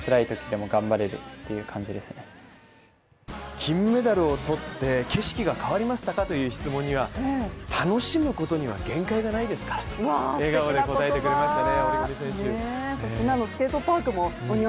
金メダルを取って景色が変わりましたかという質問には、楽しむことには限界がないですからと笑顔で答えてくれましたね